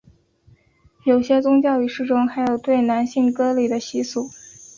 有些宗教仪式中还有对男性割礼的习俗。